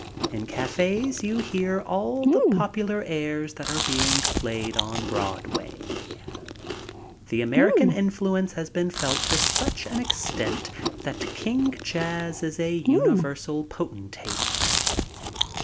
In cafes you hear all the popular airs that are being played on Broadway. The American influence has been felt to such an extent that King Jazz is a imiversal potentate.